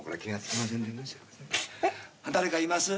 誰かいます？